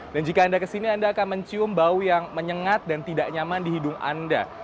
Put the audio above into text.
dan jika anda kesini anda akan mencium bau yang menyengat dan tidak nyaman di hidung anda